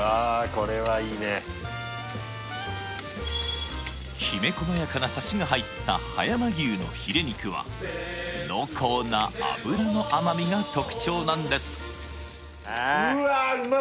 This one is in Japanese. これはいいねきめ細やかなサシが入った葉山牛のヒレ肉は濃厚な脂の甘みが特徴なんですうわ！